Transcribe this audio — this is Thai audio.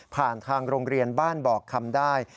ทางโรงเรียนบ้านบอกคำได้